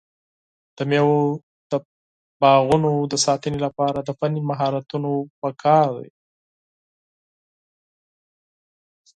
د مېوو د باغونو د ساتنې لپاره د فني مهارتونو پکار دی.